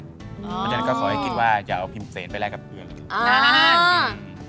เพราะฉะนั้นก็ขอให้คิดว่าจะเอาพิมเซนไปแลกกับอื่น